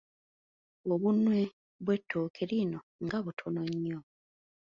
Obunwe bw’ettooke lino nga butono nnyo!